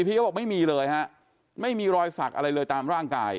พี่เขาบอกไม่มีเลยฮะไม่มีรอยสักอะไรเลยตามร่างกาย